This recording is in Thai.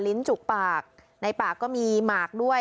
จุกปากในปากก็มีหมากด้วย